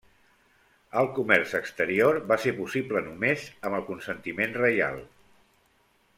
El comerç exterior va ser possible només amb el consentiment reial.